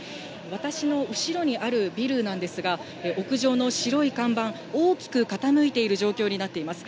私の後ろにあるビルなんですが、屋上の白い看板、大きく傾いている状況になっています。